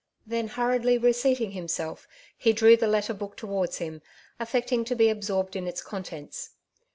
Then hurriedly reseating himself, he drew the letter book towards him, affecting to be absorbed in its contents.